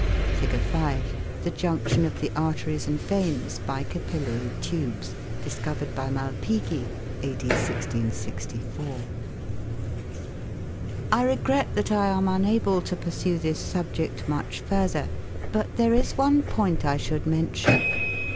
Fig.5. The junction of the arteries and veins by capillary tubes, discovered by Malpighi (A.D. 1664). I regret that I am unable to pursue this subject much further; but there is one point I should mention.